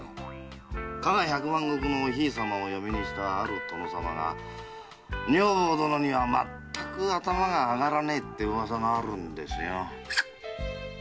加賀百万石のお姫さまを嫁にしたある殿様が女房殿にはまったく頭が上がらないって噂があるんですよ。